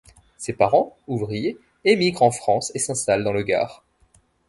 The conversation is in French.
Ses parents, ouvriers, émigrent en France et s'installent dans le Gard.